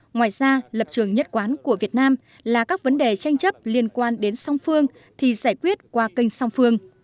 ngoài ra lập trường nhất quán của việt nam là các vấn đề tranh chấp liên quan đến song phương thì giải quyết qua kênh song phương